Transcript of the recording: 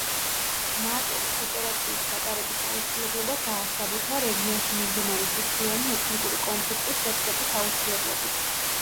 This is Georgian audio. ნატომ ოპერაციის ჩატარების აუცილებლობა დაასაბუთა რეგიონში მიმდინარე სისხლიანი ეთნიკური კონფლიქტის შეწყვეტის აუცილებლობით.